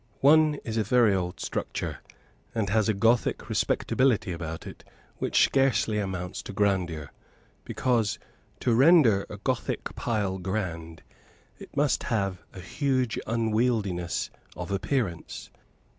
One is a very old structure, and has a Gothic respectability about it, which scarcely amounts to grandeur, because, to render a Gothic pile grand, it must have a huge unwieldiness of appearance.